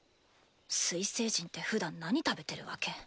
水星人ってふだん何食べてるわけ？